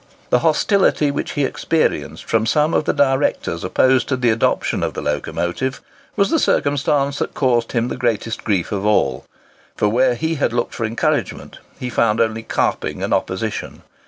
The hostility which he experienced from some of the directors opposed to the adoption of the locomotive, was the circumstance that caused him the greatest grief of all; for where he had looked for encouragement, he found only carping and opposition.